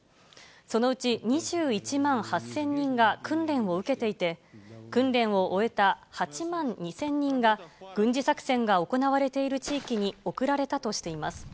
そのうち２１万８０００人が訓練を受けていて、訓練を終えた８万２０００人が、軍事作戦が行われている地域に送られたとしています。